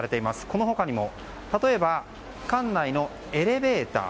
この他にも例えば館内のエレベーター